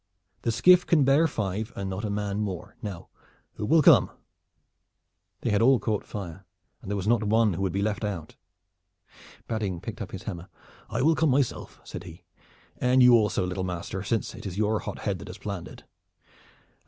The skiff can bear five and not a man more. Now, who will come?" They had all caught fire, and there was not one who would be left out. Badding picked up his hammer. "I will come myself," said he, "and you also, little master, since it is your hot head that has planned it.